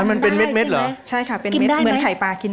กลับไปให้แม่มาก